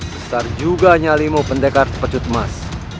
besar juga nyalimu pendekar pecut emas